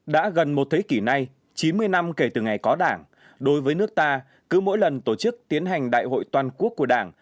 đã gần một thế kỷ nay chín mươi năm kể từ ngày có đảng đối với nước ta cứ mỗi lần tổ chức tiến hành đại hội toàn quốc của đảng